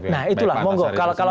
nah itulah monggo